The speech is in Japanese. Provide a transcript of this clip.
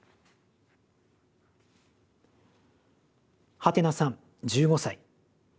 はてなさん１５歳。